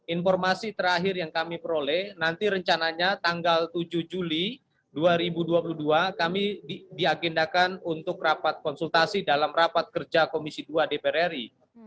informasi terakhir yang kami peroleh nanti rencananya tanggal tujuh juli dua ribu dua puluh dua kami diagendakan untuk rapat konsultasi dalam rapat kerja komisi dua dpr ri